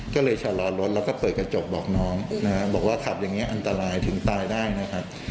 ก็เลยชะลอรถแล้วก็เปิดกระจกบอกน้องนะครับบอกว่าขับอย่างนี้อันตรายถึงตายได้นะครับ